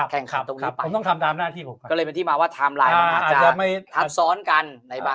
แข่งขับตรงนี้ผมต้องทำทางหน้าที่ผมก็เลยเป็นที่มาว่าไทม์ไลน์ประมาณที่จะถัดซ้อนกัน